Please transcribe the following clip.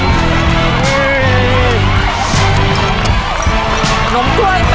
นมกล้วยก็๗นะครับ